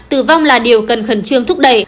tử vong là điều cần khẩn trương thúc đẩy